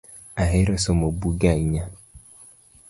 Ahero somo buge ahinya